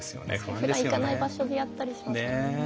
ふだん行かない場所でやったりしますもんね。